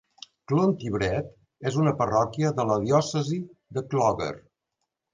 Clontibret és una parròquia de la diòcesi de Clogher.